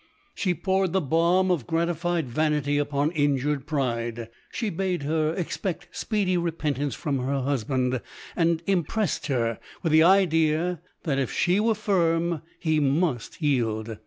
She poured the balm of gratified vanity upon injured pride. She bade her expect speedy repentance from her husband, and im pressed her with the idea, that if she were firm, he must yield.